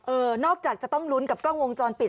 นอกจากจะต้องลุ้นกับกล้องวงจรปิด